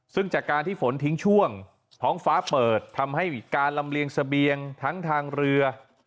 ซึ่งจากการที่ฝนทิ้งช่วงท้องฟ้าเปิดทำให้การลำเลียงเสบียงทั้งทางเรือ